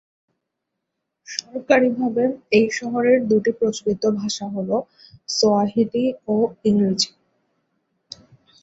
সরকারিভাবে এই শহরের দু'টি প্রচলিত ভাষা হল সোয়াহিলি ও ইংরেজি।